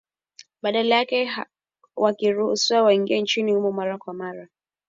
badala yake wakiruhusiwa waingie nchini humo mara kwa mara